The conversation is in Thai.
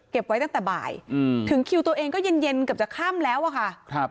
เก็บไว้ตั้งแต่บ่ายถึงคิวตัวเองก็เย็นกำลังจะข้ามแล้วค่ะ